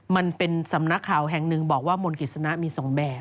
มันเป็นสำนักข่าวแห่งหนึ่งบอกว่ามนต์กิจสนะมี๒แบบ